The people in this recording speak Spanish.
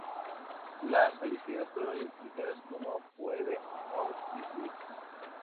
Las fallecidas fueron identificadas como Phoebe Hogg y su hija.